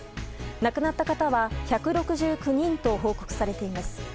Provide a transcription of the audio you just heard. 亡くなった方は１６９人と報告されています。